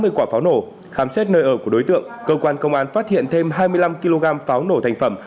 bốn mươi quả pháo nổ khám xét nơi ở của đối tượng cơ quan công an phát hiện thêm hai mươi năm kg pháo nổ thành phẩm